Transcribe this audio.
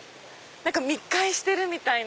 密会してるみたいな。